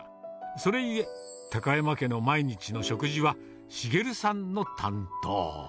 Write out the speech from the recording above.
それゆえ、高山家の毎日の食事は、繁さんの担当。